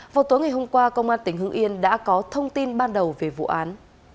vào tối ngày hôm qua công an tỉnh hưng yên đã có thông tin ban đầu về vụ án